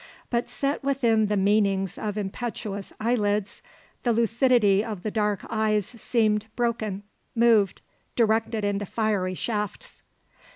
But set within the meanings of impetuous eyelids the lucidity of the dark eyes seemed broken, moved, directed into fiery shafts.